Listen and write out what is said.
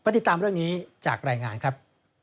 ติดตามเรื่องนี้จากรายงานครับ